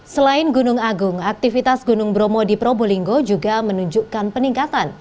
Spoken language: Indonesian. selain gunung agung aktivitas gunung bromo di probolinggo juga menunjukkan peningkatan